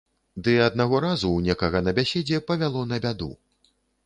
Ды аднаго разу ў некага на бяседзе павяло на бяду.